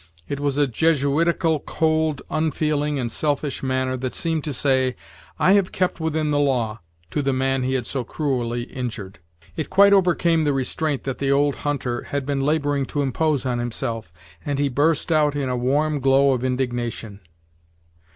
It was a jesuitical, cold, unfeeling, and selfish manner, that seemed to say, "I have kept within the law," to the man he had so cruelly injured. It quite overcame the restraint that the old hunter had been laboring to impose on himself, and he burst out in a warm glow of indignation.